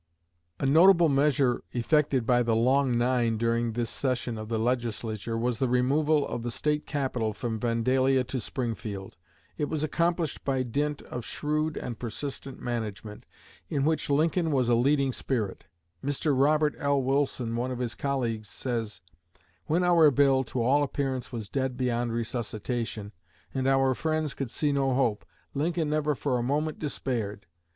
A notable measure effected by the "Long Nine" during this session of the Legislature was the removal of the State Capital from Vandalia to Springfield. It was accomplished by dint of shrewd and persistent management, in which Lincoln was a leading spirit. Mr. Robert L. Wilson, one of his colleagues, says: "When our bill to all appearance was dead beyond resuscitation, and our friends could see no hope, Lincoln never for a moment despaired.